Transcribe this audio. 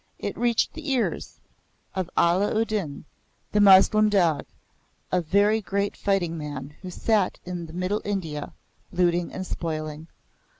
it reached the ears of Allah u Din, the Moslem dog, a very great fighting man who sat in Middle India, looting and spoiling.